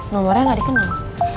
nomornya gak dikenal